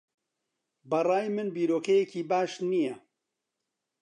بە ڕای من بیرۆکەیەکی باش نییە.